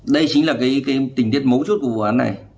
đây chính là cái tình tiết mấu chốt của vụ án này